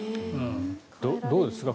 どうですか？